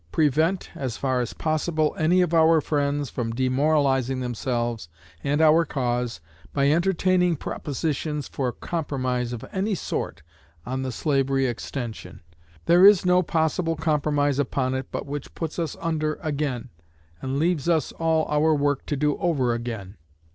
Prevent, as far as possible, any of our friends from demoralizing themselves and our cause by entertaining propositions for compromise of any sort on the slavery extension. There is no possible compromise upon it but which puts us under again, and leaves us all our work to do over again.